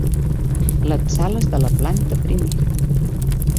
Les sales de la planta primera.